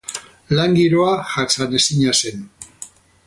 Lan giroa jasanezina zen.